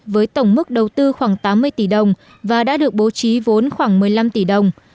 với tổng mức đầu tư khoảng tám mươi tỷ đồng và đã được bố trí vốn khoảng một mươi năm tỷ đồng